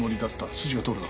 筋が通るな。